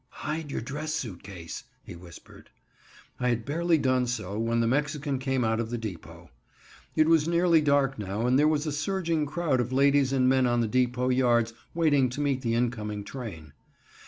"Hide your dress suit case!" he whispered. I had barely done so when the Mexican came out of the depot. It was nearly dark now and there was a surging crowd of ladies and men on the depot yards waiting to meet the incoming train.